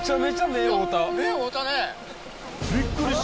目合うたね。